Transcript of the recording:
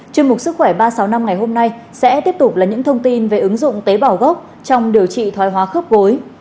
chương mục sức khỏe ba trăm sáu mươi năm ngày hôm nay sẽ tiếp tục là những thông tin về ứng dụng tế bào gốc trong điều trị thoái hóa khớp gối